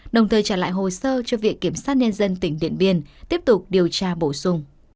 đồng thời trả lại hồ sơ cho viện kiểm sát nhân dân tỉnh điện biên tiếp tục điều tra bổ sung